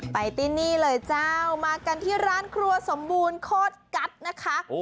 ไปที่นี่เลยเจ้ามากันที่ร้านครัวสมบูรณ์โคตรกัสนะคะ